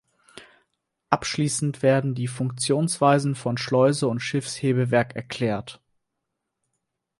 Abschließend werden die Funktionsweisen von Schleuse und Schiffshebewerk erklärt.